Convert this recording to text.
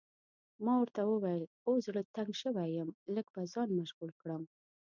ما ورته وویل اوس زړه تنګ شوی یم، لږ به ځان مشغول کړم.